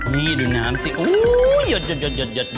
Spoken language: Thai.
นี่ดูน้ำสิอู้ยยยด